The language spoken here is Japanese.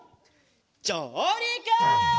じょうりく！